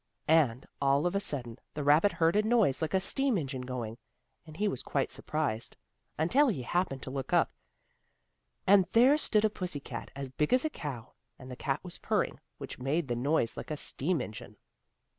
And, all of a sudden, the rabbit heard a noise like a steam engine going, and he was quite surprised, until he happened to look up, and there stood a pussy cat as big as a cow, and the cat was purring, which made the noise like a steam engine.